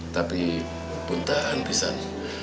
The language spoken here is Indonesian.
tapi pun tak anggisan